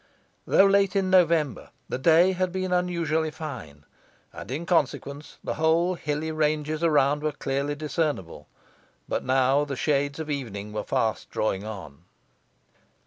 Though late in November, the day had been unusually fine, and, in consequence, the whole hilly ranges around were clearly discernible, but now the shades of evening were fast drawing on.